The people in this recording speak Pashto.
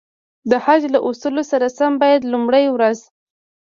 د حج له اصولو سره سم باید لومړی ورځ.